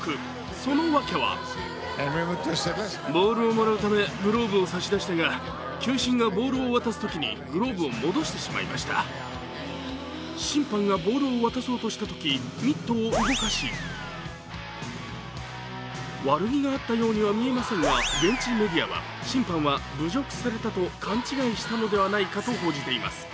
そのわけは審判がボールを渡そうとしたときミットを動かし、悪気があったようには見えませんが、現地メディアは現地メディアは審判は侮辱されたと勘違いしたのではないかと報じています。